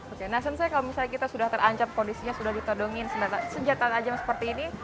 oke nason saya kalau misalnya kita sudah terancam kondisinya sudah ditodongin senjata tajam seperti ini